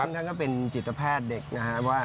ซึ่งเขาก็เป็นจิตแพทย์เด็กนะครับ